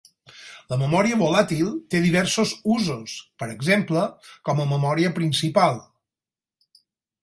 La memòria volàtil té diversos usos, per exemple, com a memòria principal.